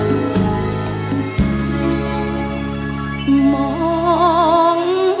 ที่ยิ่งรักไม่มอง